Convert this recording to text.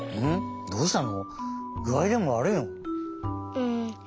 うん。